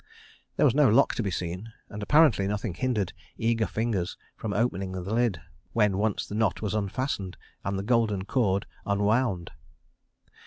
There was no lock to be seen, and apparently nothing hindered eager fingers from opening the lid when once the knot was unfastened and the golden cord unwound.